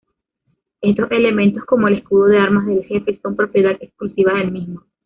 Estos elementos, como el escudo de armas del jefe, son propiedad exclusiva del mismo.